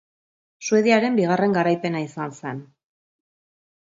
Suediaren bigarren garaipena izan zen.